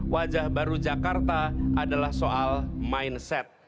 wajah baru jakarta adalah soal mindset